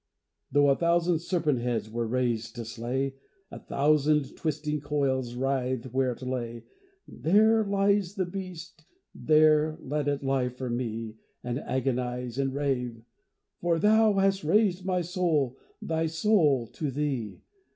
Though a thousand serpent heads were raised to slay, A thousand twisting coils writhed where it lay, There lies the beast, there let it lie for me And agonize and rave; For Thou has raised my soul, Thy soul, to Thee!